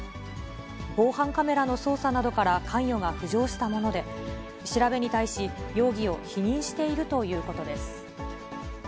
防犯カメラの捜査などから関与が浮上したもので、調べに対し、容疑を否認しているということです。